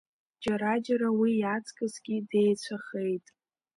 Џьара-џьара уи иаҵкысгьы деицәахеит.